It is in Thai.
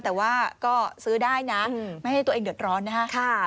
แต่ว่าก็ซื้อได้นะไม่ให้ตัวเองเดือดร้อนนะครับ